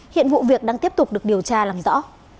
hiện vụ việc đang tiếp tục được điều tra làm rõ